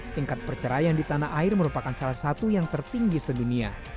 tingkat perceraian di tanah air merupakan salah satu yang tertinggi sedunia